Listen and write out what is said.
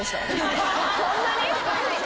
そんなに？